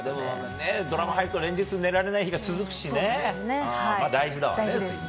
ドラマ入ると連日寝られない日が続くしね。